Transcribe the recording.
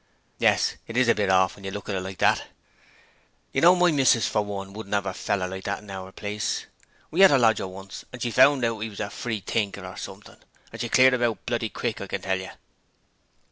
'Yes, it is a bit orf, when you look at it like that.' 'I know my missis for one wouldn't 'ave a feller like that in our place. We 'ad a lodger once and she found out that 'e was a freethinker or something, and she cleared 'im out, bloody quick, I can tell yer!'